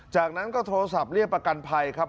จากนั้นก็โทรศัพท์เรียกประกันภัยครับ